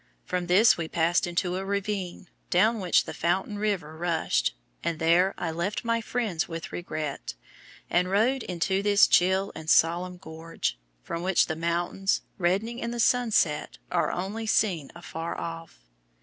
From this we passed into a ravine, down which the Fountain River rushed, and there I left my friends with regret, and rode into this chill and solemn gorge, from which the mountains, reddening in the sunset, are only seen afar off.